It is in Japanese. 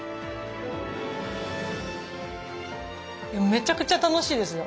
めちゃくちゃ楽しいですよ